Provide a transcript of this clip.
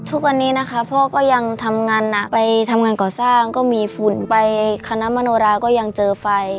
ทุกวันนี้นะคะพ่อก็ยังทำงานหนักไปทำงานก่อสร้างก็มีฝุ่นไปคณะมโนราก็ยังเจอไฟ